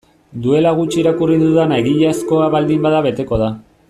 Duela gutxi irakurri dudana egiazkoa baldin bada beteko da.